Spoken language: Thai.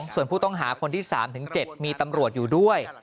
ส่วนผู้ต้องหาคนที่๓๗มีตำรวจอยู่ด้วย